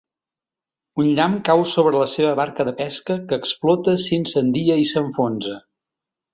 Un llamp cau sobre la seva barca de pesca que explota, s'incendia i s'enfonsa.